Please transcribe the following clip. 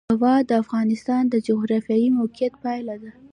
هوا د افغانستان د جغرافیایي موقیعت پایله ده.